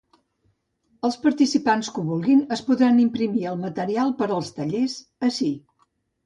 Els participants que ho vulguin es podran imprimir el material per als tallers ací.